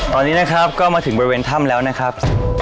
ตอนนี้นะครับก็มาถึงบริเวณถ้ำแล้วนะครับ